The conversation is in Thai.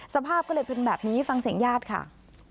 สภาพก็เลยเป็นแบบนี้ฟังเสียงญาติค่ะ